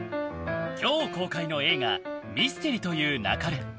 今日公開の映画「ミステリと言う勿れ」。